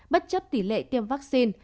bất chấp tỷ lệ tiêm vaccine